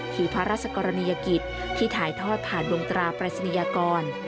คือพระราชกรณียกิจที่ถ่ายทอดผ่านดวงตราปรายศนียากร